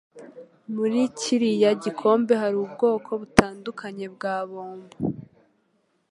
Muri kiriya gikombe hari ubwoko butandukanye bwa bombo.